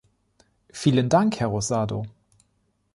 Vielen Dank, Herr Rosado.